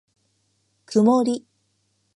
くもり